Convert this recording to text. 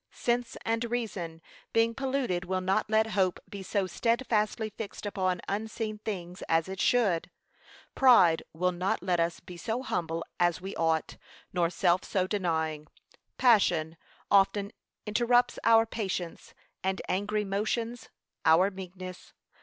Sense and reason being polluted will not let hope be so steadfastly fixed upon unseen things as it should. Pride will not let us be so humble as we ought, nor self so self denying. Passion often interrupts our patience, and angry motions our meekness.